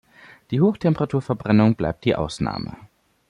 Die Hochtemperaturverbrennung bleibt die Ausnahme.